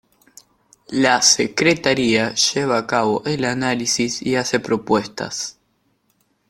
La Secretaría lleva a cabo el análisis y hace propuestas.